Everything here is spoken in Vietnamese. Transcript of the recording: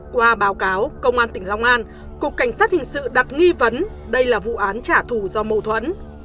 qua báo cáo công an tỉnh long an cục cảnh sát hình sự đặt nghi vấn đây là vụ án trả thù do mâu thuẫn